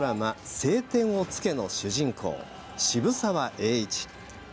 「青天を衝け」の主人公渋沢栄一。